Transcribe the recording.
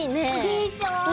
でしょ！